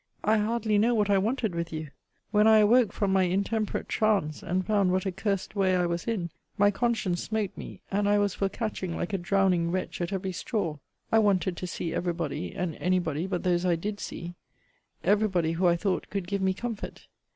I hardly know what I wanted with you. When I awoke from my intemperate trance, and found what a cursed way I was in, my conscience smote me, and I was for catching like a drowning wretch, at every straw. I wanted to see every body and any body but those I did see; every body who I thought could give me comfort.